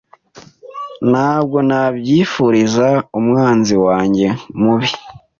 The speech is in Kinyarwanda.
Ntabwo nabyifuriza umwanzi wanjye mubi.